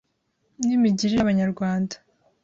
nimigirire y’Abanyarwanda, .